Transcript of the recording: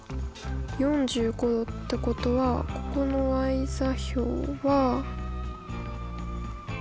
４５°ってことはここの座標は。